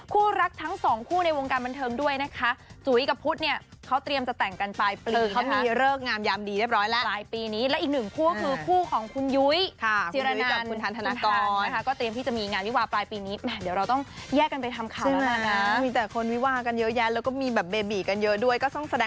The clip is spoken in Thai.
คู่รักทั้ง๒คู่ในวงการบันเทิงด้วย